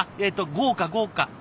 豪華豪華。